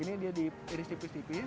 ini dia diiris tipis tipis